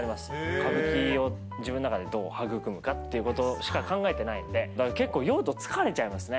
歌舞伎を自分の中でどう育むかっていうことしか考えてないので、だから酔うと結構疲れちゃいますね。